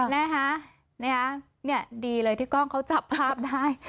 นะคะเนี่ยดีเลยที่กล้องเขาจับภาพได้